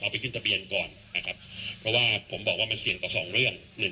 ไปขึ้นทะเบียนก่อนนะครับเพราะว่าผมบอกว่ามันเสี่ยงต่อ๒เรื่อง